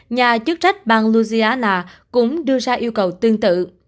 nhà chức trách bang louziana cũng đưa ra yêu cầu tương tự